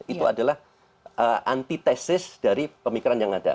itu adalah antitesis dari pemikiran yang ada